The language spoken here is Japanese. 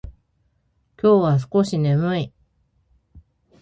今日は少し眠い。